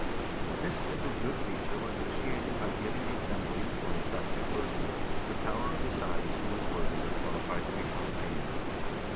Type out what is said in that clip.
But this single good feature was vitiated by giving the assembly, or in fact the clergy, the power of deciding who was worthy or qualified to become king.